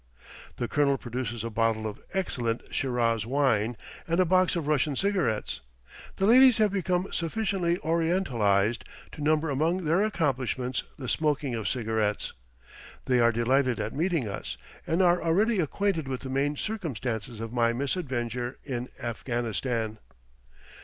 The colonel produces a bottle of excellent Shiraz wine and a box of Russian cigarettes. The ladies have become sufficiently Orientalized to number among their accomplishments the smoking of cigarettes. They are delighted at meeting us, and are already acquainted with the main circumstances of my misadventure in Afghanistan.